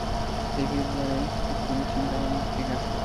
একবারে একটা জিনিস চিন্তা করেন, ঠিক আছে?